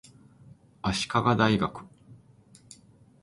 足利大学